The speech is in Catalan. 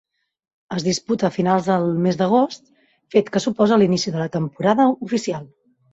Es disputa a finals del mes d'agost, fet que suposa l'inici de la temporada oficial.